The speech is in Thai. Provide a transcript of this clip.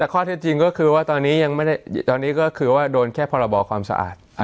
ข้อเท็จจริงก็คือว่าตอนนี้ก็คือว่าโดนแค่พรบรความสะอาด